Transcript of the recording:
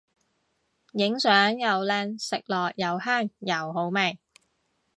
影相又靚食落又香又好味